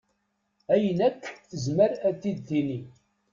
Ayen akk tezmer ad t-id-tini.